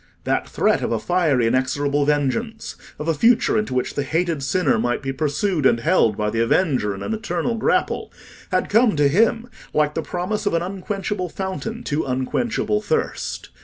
That threat of a fiery inexorable vengeance—of a future into which the hated sinner might be pursued and held by the avenger in an eternal grapple, had come to him like the promise of an unquenchable fountain to unquenchable thirst.